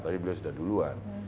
tapi beliau sudah duluan